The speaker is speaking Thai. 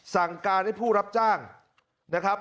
สั่งการให้ผู้รับจ้างนะครับ